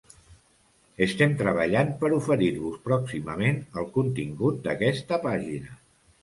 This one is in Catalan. Estem treballant per oferir-vos pròximament el contingut d'aquesta pàgina.